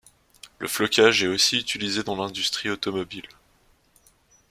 Le flocage est aussi utilisé dans l'industrie automobile.